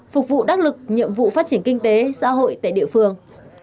phục vụ đắc lực nhiệm vụ phát triển kinh tế xã hội tại địa phương